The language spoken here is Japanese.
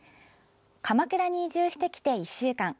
鎌倉に移住してきて１週間。